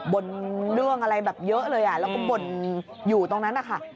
บ่นเรื่องอะไรแบบเยอะเลยแล้วก็บ่นอยู่ตรงนั้นนะคะ